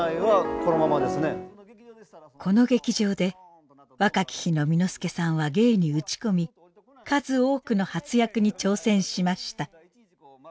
この劇場で若き日の簑助さんは芸に打ち込み数多くの初役に挑戦しました。